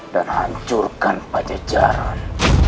dan hancurkan pajajaran